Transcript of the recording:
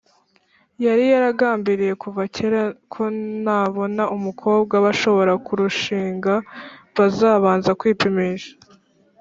yari yaragambiriye kuva kera ko nabona umukobwa bashobora kurushingana, bazabanza kwipimisha